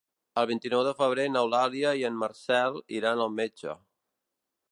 El vint-i-nou de febrer n'Eulàlia i en Marcel iran al metge.